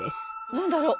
何だろう？